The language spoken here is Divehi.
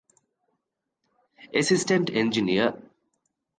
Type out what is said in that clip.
އެސިސްޓެންޓް އެންޖިނިއަރ